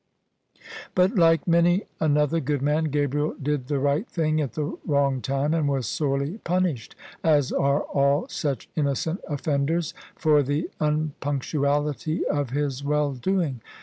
But, like many another good man, Gabriel did the right thing at the wrong time; and was sorely punished, as are all such innocent offenders, for the unpunctuality of his well doing.